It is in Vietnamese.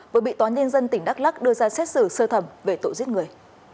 với bị tòa nhân dân tỉnh đắk lắc đưa ra xét xử sơ thẩm về tội giết người